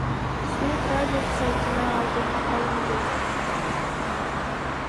Сүрөт Радиус сайтынан алынды.